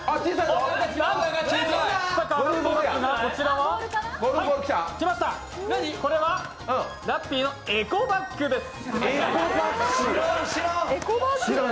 こちらは、これはラッピーのエコバッグです。